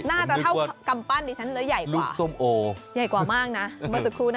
น่าจะเท่ากัมปั้นดิฉะนั้นจะเลยใหญ่กว่าเห็น